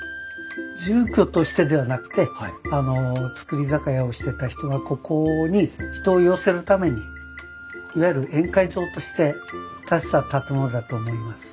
住居としてではなくて造り酒屋をしてた人がここに人を寄せるためにいわゆる宴会場として建てた建物だと思います。